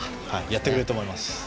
やってくれると思います。